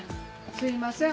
すいません。